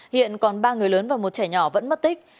hiện còn ba người lớn và một trẻ nhỏ vẫn mất tích